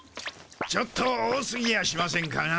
ちょっと多すぎやしませんかな。